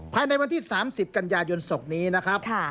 ภายในวันที่๓๐กันยายนศพนี้นะครับ